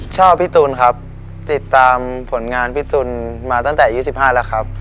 ชอบพิตุ้นครับติดตามสนุนการพี่ตนมาตั้งแต่๑๕ครับ